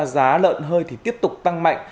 giá lợn hơi thì tiếp tục tăng mạnh